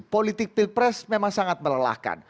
politik pilpres memang sangat melelahkan